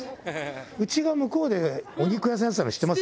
うちが向こうでお肉屋さんやってたの知ってます？